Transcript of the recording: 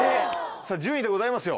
順位でございますよ